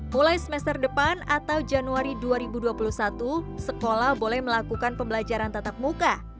mulai semester depan atau januari dua ribu dua puluh satu sekolah boleh melakukan pembelajaran tatap muka